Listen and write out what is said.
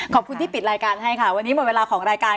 ขอบคุณที่ปิดรายการให้ค่ะวันนี้หมดเวลาของรายการ